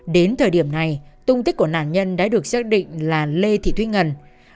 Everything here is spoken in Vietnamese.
đến thời điểm này tung tích của nạn nhân đã được xác định là lê thị thuy ngân